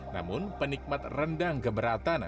namun penikmat rendang gemeratan